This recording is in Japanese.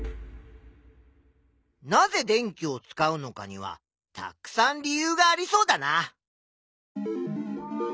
なぜ電気を使うのかにはたくさん理由がありそうだな。